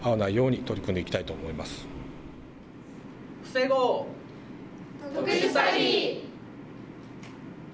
防ごう特殊詐欺。